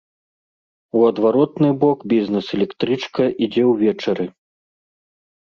У адваротны бок бізнэс-электрычка ідзе ўвечары.